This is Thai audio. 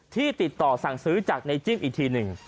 ที่ติดต่อสั่งซื้อจากในจิ้มอีกทีหนึ่ง